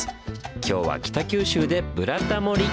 今日は北九州で「ブラタモリ」！